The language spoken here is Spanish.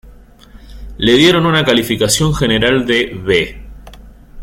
Le dieron una calificación general de "B".